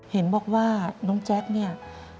เห็นบอกว่าน้องแจ๊คเนี่ย